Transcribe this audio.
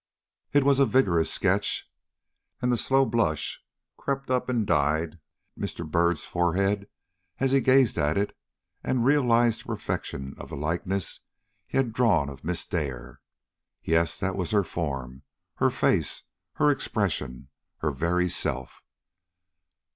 It was a vigorous sketch, and the slow blush crept up and dyed Mr. Byrd's forehead as he gazed at it and realized the perfection of the likeness he had drawn of Miss Dare. Yes, that was her form, her face, her expression, her very self.